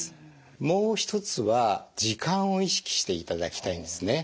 もう一つは時間を意識していただきたいんですね。